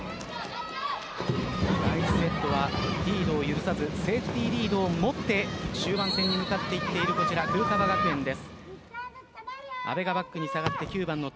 第１セットはリードを許さずセーフティーリードを持って終盤戦に向かっていっている古川学園です。